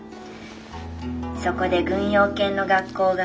そこで軍用犬の学校が。